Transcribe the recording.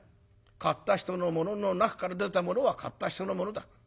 買った人のものの中から出たものは買った人のものだ。